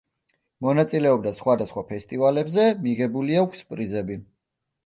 მონაწილეობდა სხვადასხვა ფესტივალებზე მიღებული აქვს პრიზები.